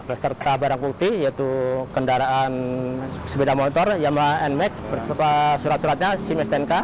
berserta barang bukti yaitu kendaraan sepeda motor yamaha n mat berserta surat suratnya simes tnk